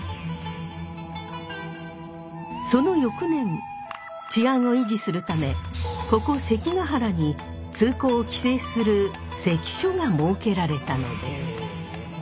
その翌年治安を維持するためここ関ケ原に通行を規制する関所が設けられたのです。